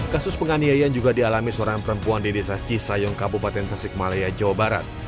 kasus penganiayaan juga dialami seorang perempuan di desa cisayong kabupaten tasikmalaya jawa barat